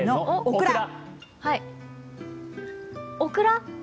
オクラ！